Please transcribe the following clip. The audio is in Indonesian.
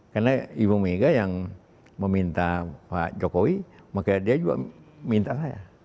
karena ibu mega yang meminta pak jokowi makanya dia juga minta saya